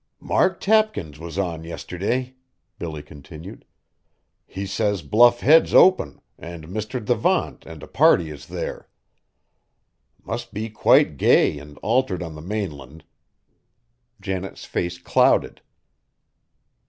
"Mark Tapkins was on yisterday," Billy continued; "he says Bluff Head's open an' Mr. Devant an' a party is there. Must be quite gay an' altered on the mainland." Janet's face clouded.